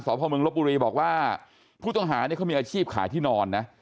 พ่อเมืองลบบุรีบอกว่าผู้ต้องหาเนี่ยเขามีอาชีพขายที่นอนนะ